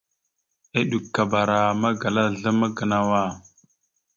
Eɗʉkabara magala azlam a gənow a.